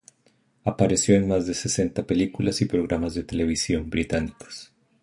Apareció en más de sesenta películas y programas de televisión británicos.